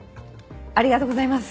ありがとうございます。